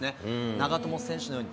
長友選手のように、